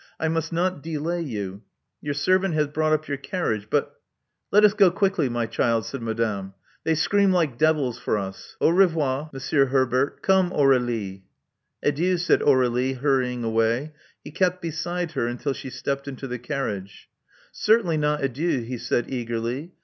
I must not delay you: your servant has brought up your carriage; but " Let us go quickly, my child," said Madame. They scream like devils for us. Au revoir. Monsieur Herbert. Come, Aur^lie!" Adieu," said Aur^lie, hurrying away. He kept beside her until she stepped into the carriage. Certainly not adieu," he said eagerly.